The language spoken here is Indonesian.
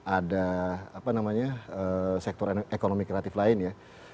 ada apa namanya sektor ekonomi kreatif lainnya